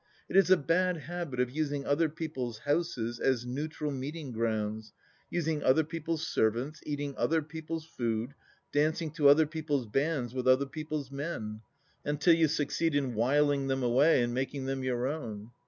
It is a bad habit of using other people's houses as neutral meeting grounds, using other people's servants, eating other people's food, dancing to other people's bands with other people's men — until you succeed in wiling them away and making them your own.